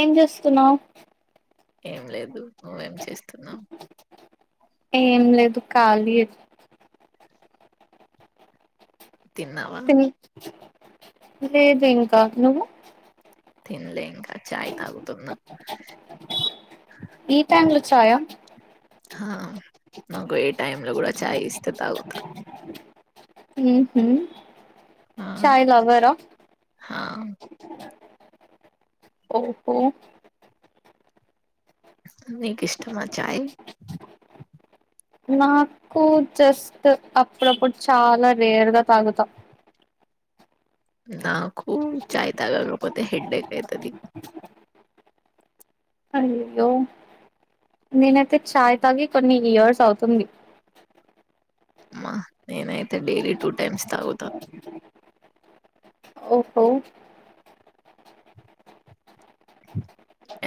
ఏం చేస్తున్నావ్ ఏం లేదు నువ్వేం చేస్తున్నావు ఏం లేదు ఖాలీ తిన్నావా తిన్నావా లేదు ఇంకా నువ్వు తిన్లే ఇంకా చాయ తాగుతున్నా ఈ టైం లో ఛాయ ఆ నాకు ఏ టైమ్ లో కూడా చాయ్ ఇస్తే తాగుతా ఉహు ఆ చాయిలవరా ఆ ఓహో మీ కిష్టమా ఛాయి నాకు జస్ట్ అప్పుడప్పుడు చాలా రేర్గా తాగుతా నాకు చాయ్ తాగాకపోతే హెడ్డేక్ అయితది అయయ్యో నేనైతే ఛాయ్ తాగి కొన్ని ఇయర్స్ అవుతుంది మ్మా నేనైతే డైలీ టూ టైమ్స్ తాగుతా ఓహో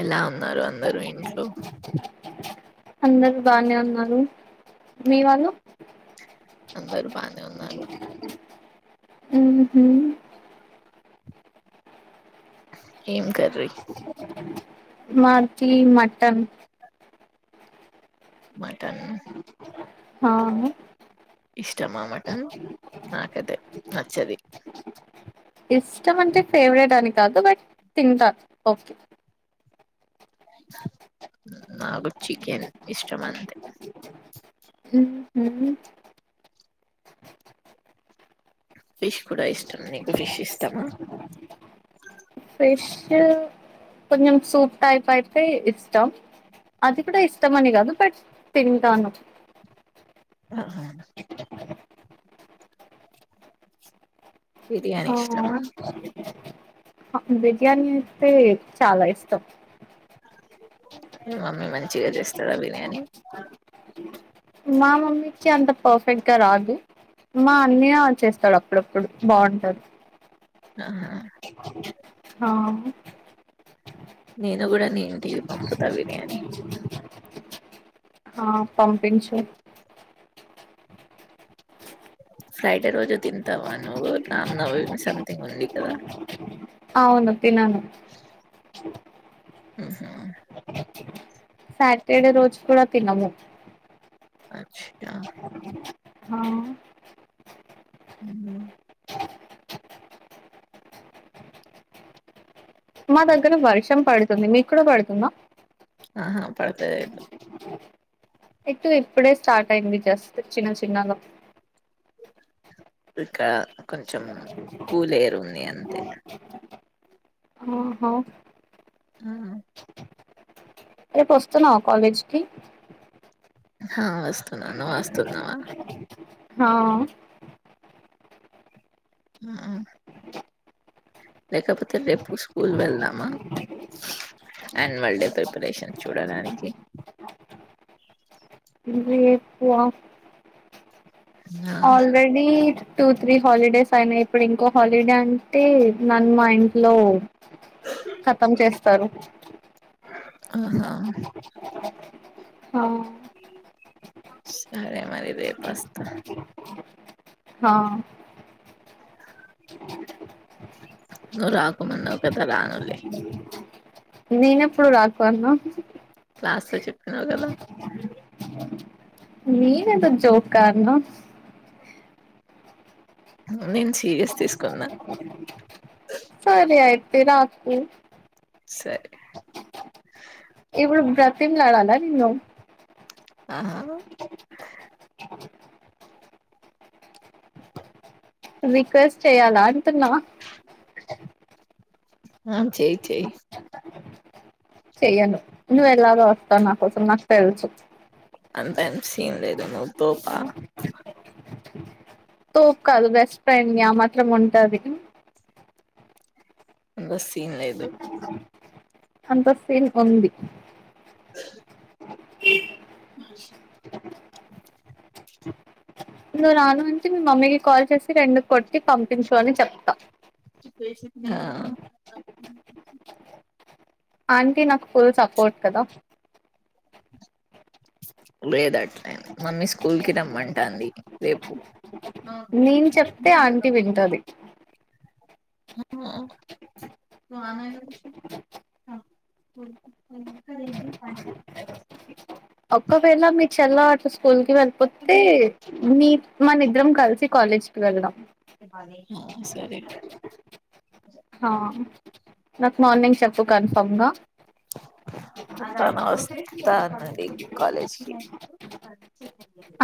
ఎలా ఉన్నారు అందరూ ఇంట్లో అందరు బానే ఉన్నారు మీ వాళ్ళు అందరు బానే వున్నారు ఉహు ఏం కర్రీ మాకి మటన్ మటన్ ఆ ఇష్టమా మటన్ నాకైతే నచ్చది ఇష్టం అంటే ఫేవరెట్ అని కాదు బట్ తింటా ఓకే నాకు చికెన్ ఇష్టమంతె ఉ ఉహు ఫిష్ కూడా ఇష్టం నీకు ఫిష్ ఇష్టమా ఫిష్ కొంచెం సూప్ టైప్ అయితే ఇష్టం అది కూడా ఇష్టం అని కాదు బట్ తింటాను ఆహా బిర్యాణి ఇష్టమా ఆ బిర్యానీ అయితే చాలా ఇష్టం మమ్మీ మంచిగా చేస్తారా బిర్యానీ మా మమ్మీకి అంత పర్ఫెక్ట్గా రాదు మా అన్నయ్య చేస్తాడు అప్పుడప్పుడు బాగుంటంది ఆహ హ మీ న కూడా నే ఇంటికి పంపుతా బిర్యానీ ఆ పంపించు ఫ్రైడే రోజు తింటావా నువ్వు రామ్ నవ సథింగ్ ఉంది కదా ఆవును తినను ఉహు సాటర్డే రోజు కూడా తినము అచ్ ఆ ఆ ఉహు మా దగ్గర వర్షం పడుతుంది మీ కూడ పడుతుందా ఆహా పడుతలేదు ఇటు ఇప్పుడే స్టార్ట్ అయింది జస్ట్ చిన్న చిన్నగా ఇక్కడ కొంచెం కూలేరు ఉంది అంతే ఆహా ఆహ రేపు వస్తున్నావా కాలేజీకి హా వస్తున్నాను వస్తున్నావా హా ఉ లేకపోతే రేపు స్కూల్ వెళ్దామా ఆన్యువల్ డే ప్రిపరేషన్ చూడడానికి [unintelligible] ఆ ఆల్రెడీ టూ త్రీ హాలిడేస్ అయినా ఇప్పుడు ఇంకో హాలిడే అంటే నన్ను మా ఇంట్లో కతం చేస్తారు ఆహా సరే మరి రేపస్త హా నూరాకు మొన్న ఒక అతను రానులే నేను ఎప్పుడు రాకు అన్న క్లాస్లో చెప్పినావు కదా మీరెందుకు జోక్ గా ఆన్నా నేన్ సీరియస్ తీసుకున్నా తే రాజుకు సరే ఇప్పుడు బ్రతిమిలాడాల నిన్ను ఆహా రిక్వెస్ట్ చెయాలా అంటున్నా ఆ చెయి చెయి చెయ్యను నువ్వు ఎలాగో వస్తావ్, నా కోసం నాకు తెల్సు అంతేం సీన్ లేదు నువ్ తోపా తోప్ కాదు బెస్ట్ ఫ్రెండ్ని ఆ మాత్రం ఉంటాది. బ సీన్ లేదు. అంత సీన్ ఉంది. అ నువ్ రాను అంటే, మీ మమ్మీకి కాల్ చేస్ రెండు కొట్టి పంపించు అని చెప్తా. కా ఆంటీ నాకు ఫుల్ సపోర్ట్ కదా. లేదు అట్లేన మమ్మీ స్కూల్కి రమ్మంటాంది. రేపు నేను చెప్తే ఆంటీ వింటాది. [inaudible] ఒక్కవేళ మీ చెల్లాట్ల చు స్కూల్ కి వెళ్ళిపోతే, మీ మనిద్రం కలిసి కాలేజ్ కి వెళ్ళాం. ఆ సరే హా నాకు మార్నింగ్ చెప్పు కన్ఫామ్ గా అతమ వస్ తాంది కాలేజ్ కి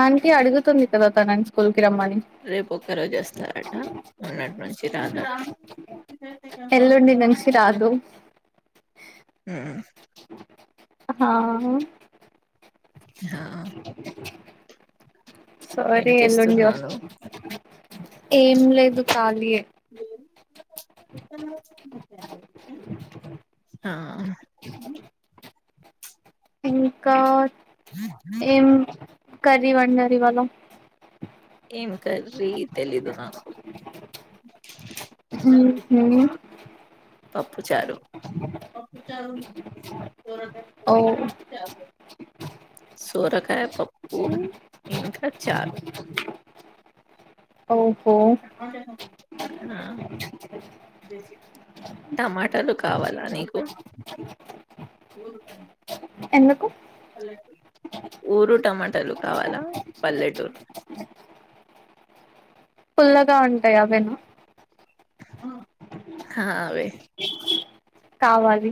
ఆంటీ అడుగుతుంది కదా తనన్ స్కూల్ కి రమ్మని రేపు ఒక్క రోజస్ తా రట మొన్నట్నుంచి తాత ఎల్లుండి నున్ంచి రాదు. ఉ ఆ ఆ ఏం సారీ ఎల్లుండి చేస్తున్నావు స్ నువ్వు ఏం లేదు ఖాళీయె ఆ ఇంకా ఏం కర్రీ వండార్ ఇవాళ ఏం కర్రీ తెలీదు నాకు. హు హు పప్పుచారు పప్ చారు ఓ సోరకాయి పప్పు ఇంకా చారు ఓ అదేడి టమాటాలు కావాలా నీకు ఎందుకు ఊరు టమాటాలు కావాలా పల్లెటూరు ఫుల్లగా ఉంటాయి అవేనా హా అవే కావాలి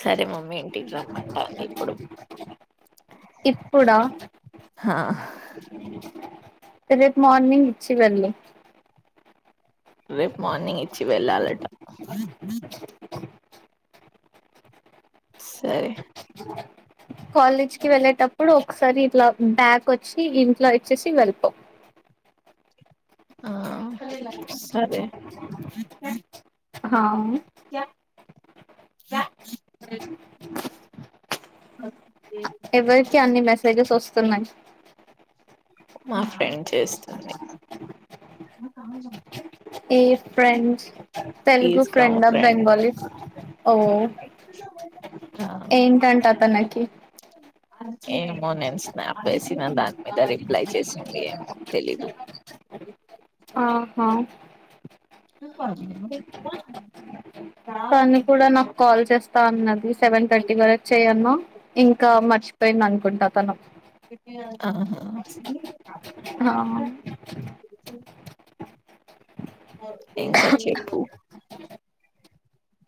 సరే మమ్మీ ఇంటికి రమ్మంటంది ఇప్పుడు ఇప్పుడా ఆా రేపు మార్నింగ్ ఇచ్చి వెళ్ళు రేపు మార్నింగ్ ఇచ్చి వెళ్ళాలట సరే కాలజ్ కి వెళ్ళటప్పుడు ఒకసారి ఇట్లా బ్యాక్ వచ్చి ఇంట్లా ఇచ్చేసి వెళ్ళిపోం ఆ సరే అ క అ ఎవర్ కి అన్ని మెసేజెస్ వస్తున్నాయి మా ఫ్రెండ్ చేస్తుంది ఏ friend Telugu is come friend ఆ బెంగాాలీ ఓ ఆ ఏం టంటా తనక్ కి ఏమో నేను స్నాప్ వేసినా దాని మీద రిప్లై చేసింది ఏమో తెలీదు ఆహా తని కూడా నాకు కాల్ చేస్త స్తాన్నది సెవెన్ థర్టీ వరకు చేయన్నా ఇంకా మర్చ యిందనుకుంటా తను ఆహ ఆ ఇంకా చెప్పు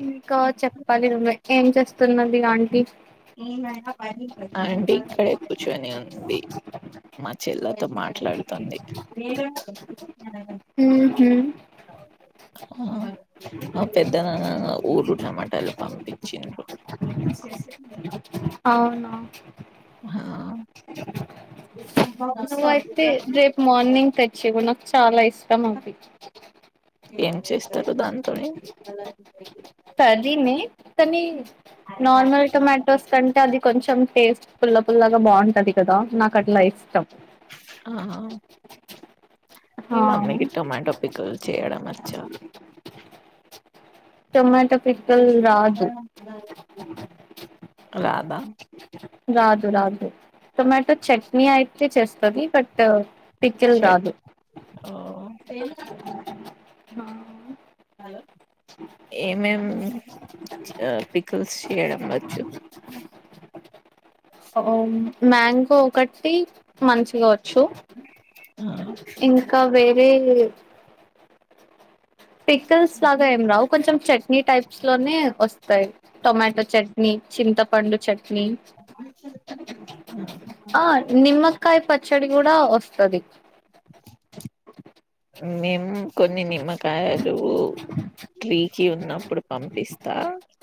ఇంకా చెప్పాలి నువ్వే ఏం చేస్త తున్నది ఆంటి అంటడి ఇక్కడే కూర్చొని ఉంది మా చెల్లతో మాట్లాడుతంది హు హు మా పెద్దనాన ఊరు లో టమాటాలు పంపించ్చిండు అవునా ఆ నువ్వైతే రేప్ మార్నింగ్ తెచ్చివ్ నాక్ చాలా ఇష్టం తమకి ఏం చేస్తారు దాంతోనీ తదిీినే కానీ నార్మల్ టొమాటోస్ కంటే అది కొంచెం టేస్ట్ పుల్ల పుల్లగా బాగుంటది కదా నాకు అట్లా ఇష్టం ఆ మీ ఆ మమ్మీకి టొమాటో పికల్ చేయడం వచ్చా టొమాటో పికిల్ విష్ణు రాదు [inaudible] రాధా రాదు రాదు టొమాటో చట్నీ అయితే చేస్తది బట్ పికిల్ చెట్ రాదు ఆ ఆ అలో ఏమేం ఆ పికుల్స్ చేయడం వచ్చు ఓ మ్యాంగో ఒకత్ టీ మంచిగా వచ్చు ఇంకా వే ఏమీ పికిల్స్ లాగా ఏం రావు కొంచెం చెట్ ఇ టైప్స్ లోనే వస్ టొమాటో చట్ మీ చింతపండు చెట్ ని ఆ నిమ్మకాయ పచ్ పచ్చడి కూడా వస్తది మేము కొన్ని నిమ్మకాయలు ట్రీకిి ఉన్నప్పుడు పంపిస్తా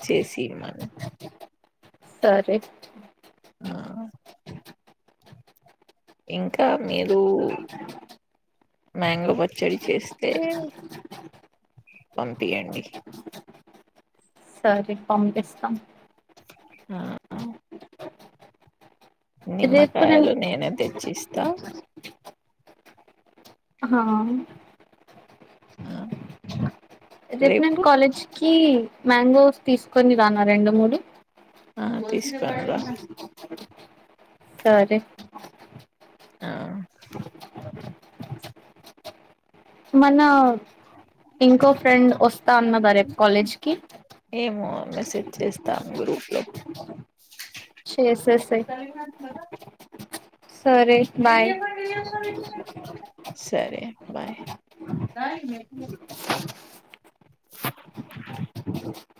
చేసి మనం సరే ఆ ఇంకా మీరు మ్యాంగో పచ్చడి చేస్తే పంపియండి సరే పంపిస్తా మ్మ్ రేపు నేను నిమ్మకాయలు నేనే తెచ్చిస్తా ఆహా హా ఆ రెప్ నేన్ రేపు కాలేజ్ కి కీ మ్యాంగోస్ తీసుకొని రాన రెండు మూడు ఆ తీసుకొని రా సరె ఆ మన ఇంకో ఫ్రెండ్ వస్తా అన్నాదా రేపు కాలేజీకి ఏమో మెసేజ్ చేస్తాన్ గ్రూప్ లొ చేసేసేయ్ [unintelligible] సరే బాయ్ సరే బాయ్